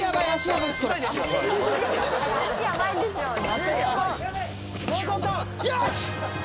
よし！